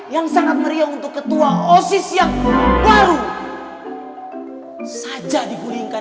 yang sangat meriah untuk ketua osis yang baru saja digulingkan